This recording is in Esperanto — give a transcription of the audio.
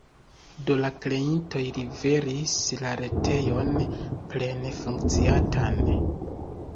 Do la kreintoj liveris la retejon plene funkciantan.